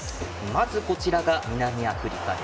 まず、こちらが南アフリカ。